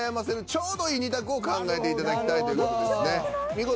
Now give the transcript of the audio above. ちょうどいい２択を考えていただきたいという事ですね。